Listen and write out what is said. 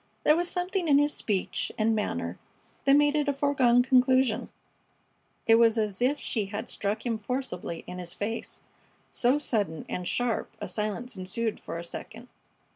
There was something in his speech and manner that made it a foregone conclusion. It was as if she had struck him forcibly in his face, so sudden and sharp a silence ensued for a second.